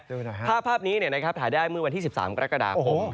ดูหน่อยครับภาพนี้เนี่ยนะครับถ่ายได้เมื่อวันที่๑๓กรกฎาคม